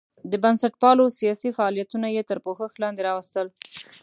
د بنسټپالو سیاسي فعالیتونه یې تر پوښښ لاندې راوستل.